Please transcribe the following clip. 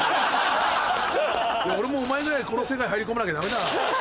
俺もお前ぐらいこの世界入り込まなきゃダメだ。